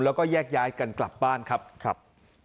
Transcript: แล้วก็แยกย้ายกันกลับบ้านครับ